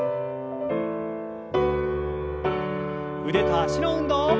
腕と脚の運動。